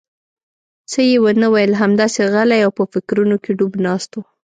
څه یې ونه ویل، همداسې غلی او په فکرونو کې ډوب ناست و.